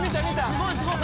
すごいすごい！